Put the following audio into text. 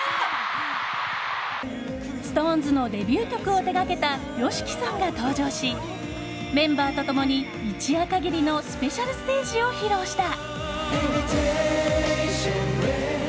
ＳｉｘＴＯＮＥＳのデビュー曲を手掛けたＹＯＳＨＩＫＩさんが登場しメンバーと共に一夜限りのスペシャルステージを披露した。